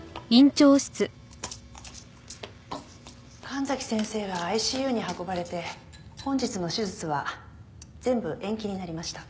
神崎先生がＩＣＵに運ばれて本日の手術は全部延期になりました。